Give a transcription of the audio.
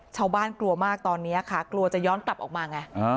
กลัวมากตอนนี้ค่ะกลัวจะย้อนกลับออกมาไง